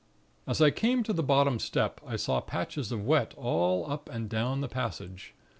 "As I came to the bottom step, I saw patches of wet all up and down the passage.